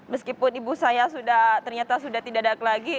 meskipun ibu saya sudah ternyata sudah tidak ada lagi